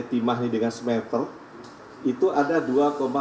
timah dengan semester itu ada dua dua puluh delapan lima perbuatannya apa